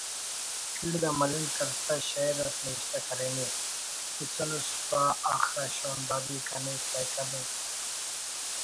کڑد آ ملنڈ کرسا شئیر اس نوشتہ کرینے: تسنس پا اخہ شونداری کنے سَیکل ءِ